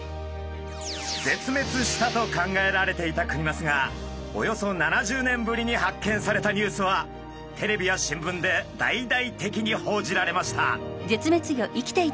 絶滅したと考えられていたクニマスがおよそ７０年ぶりに発見されたニュースはテレビや新聞で大々的に報じられました。